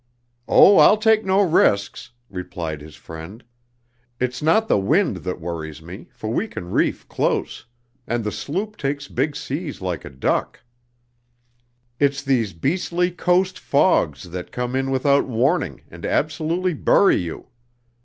"Oh, I'll take no risks," replied his friend. "It's not the wind that worries me, for we can reef close, and the sloop takes big seas like a duck. It's these beastly coast fogs that come in without warning and absolutely bury you.